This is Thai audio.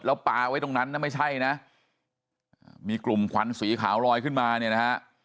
แล้วปลาไว้ตรงนั้นนะไม่ใช่นะมีกลุ่มควันสีขาวลอยขึ้นมาเนี่ยนะฮะ